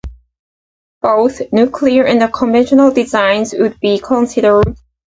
Both nuclear and conventional designs would be considered.